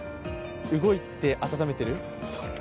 動いて、温めてる？